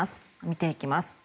見ていきます。